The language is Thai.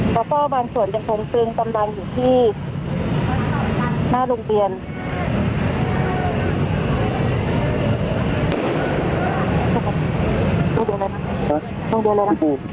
แล้วก็บางส่วนยังคงซึมตำรังอยู่ที่หน้าโรงเกียรติ